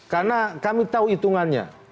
karena kami tahu hitungannya